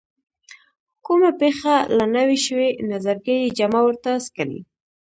کومه پېښه لا نه وي شوې نظرګي یې جامه ورته سکڼي.